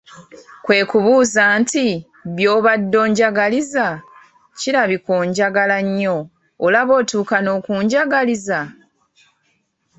kwe kubuuza nti, “by’obadde onjagaliza, kirabika onjagala nnyo olaba otuuka n’okunjagaliza!